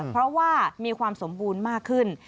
เพราะว่ามีความสมบูรณ์มากขึ้น